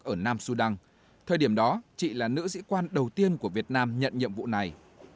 ở nam sudan thời điểm đó chị là nữ sĩ quan đầu tiên của việt nam nhận nhiệm vụ này